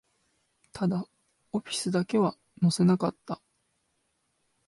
ただ、オフィスだけは乗せなかった